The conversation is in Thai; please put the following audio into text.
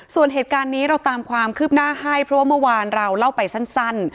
ส่วนเหตุการณ์นี้เราตามความคืบหน้าให้เพราะว่าเมื่อวานเราเล่าไปสั้น